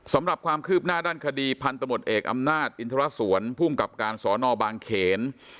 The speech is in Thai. สำหรับความคืบหน้าด้านคดีพันธมตเอกอำนาจอินทรสวนภูมิกับการสอนอบางเขน